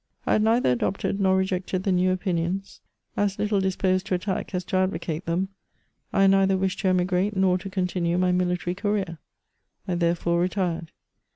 I had neither adopted nor rejected the new opinions ; as little disposed to attack as to advocate them, 1 neither wished to emigrate nor to continue my military career ; I there fore retired.